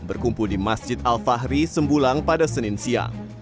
berkumpul di masjid al fahri sembulang pada senin siang